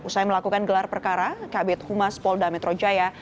setelah melakukan gelar perkara kabinet humas polda metro jaya